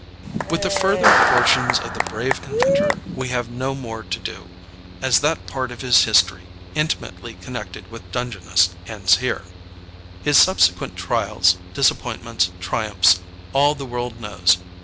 With the further fortunes of the brave inventor we have no more to do, as that part of his history intimately connected with Dungeness ends here. His subsequent trials, disappointments, triumphs, all the world knows.